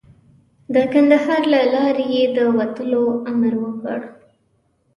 د کندهار له لارې یې د وتلو امر وکړ.